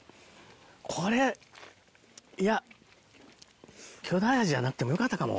これいや巨大アジやなくてもよかったかも。